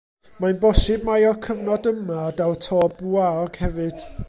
Mae'n bosib mai o'r cyfnod yma y daw'r to bwaog hefyd.